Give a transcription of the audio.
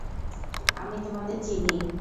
আমি তোমাদের চিনি।